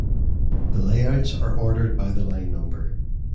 The layouts are ordered by the line number.